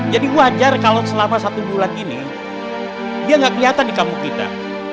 jadi wajar kalau selama satu bulan ini dia tidak kelihatan dikamu pindah